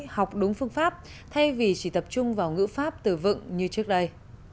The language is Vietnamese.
học đúng phương pháp thay vì chỉ tập trung vào ngữ pháp tử vựng như trước đây